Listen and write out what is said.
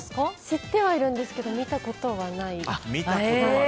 知ってはいるんですけど見たことはない。